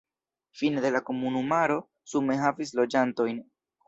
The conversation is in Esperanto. Fine de la komunumaro sume havis loĝantojn.